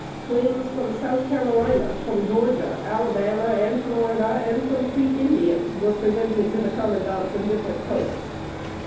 Claims from South Carolina, from Georgia, Alabama and Florida, and from Creek Indians, were presented to the commandants of different posts.